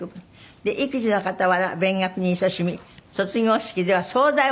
で育児の傍ら勉学にいそしみ卒業式では総代をなさった。